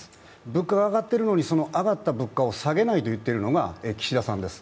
物価が上がっているのに上がった物価を下げないと言っているのが岸田さんです。